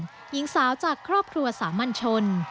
และเคธมิเดลตันหญิงสาวจากครอบครัวสามัญชน